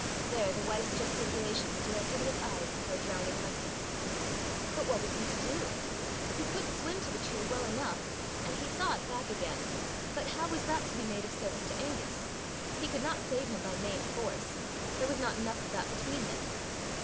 There the wife's gesticulations directed his eyes to her drowning husband. But what was he to do? He could swim to the tree well enough, and, he thought, back again, but how was that to be made of service to Angus? He could not save him by main force there was not enough of that between them.